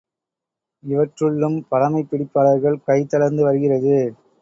இவற்றுள்ளும் பழைமைப் பிடிப்பாளர்கள் கை தளர்ந்து வருகிறது.